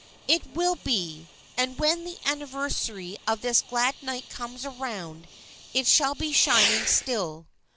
"It will be, and when the anniversary of this glad night comes round it shall be shining still.